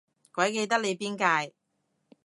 鬼記得你邊屆